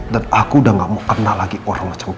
dan aku udah gak mau kenal lagi orang macam kamu